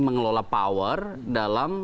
mengelola power dalam